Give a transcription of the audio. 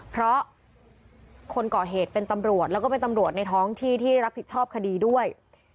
เพราะคนก่อเหตุเป็นตำรวจแล้วก็เป็นตำรวจในท้องที่ที่รับผิดชอบคดีด้วย